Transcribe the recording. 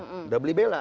udah beli bela